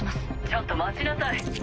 ちょっと待ちなさい。